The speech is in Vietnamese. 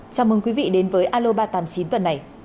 chào mừng quý vị đến với aloba tám mươi chín tuần này